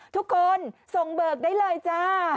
ทุกคนส่งเบิกได้เลยจ้า